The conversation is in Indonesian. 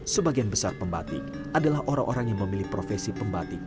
sebagian besar pembatik adalah orang orang yang memilih profesi pembatik